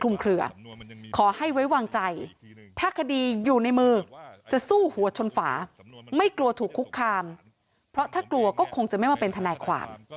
ไม่กลัวถูกคุกคามเพราะถ้ากลัวก็คงจะไม่ว่าเป็นทนายความ